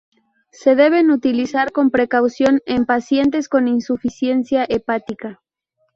Se deben utilizar con precaución en pacientes con insuficiencia hepática.